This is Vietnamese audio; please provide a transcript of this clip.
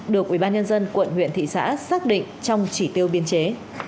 được ubnd quận huyện thị xã xác định trong chỉ tiêu biên chế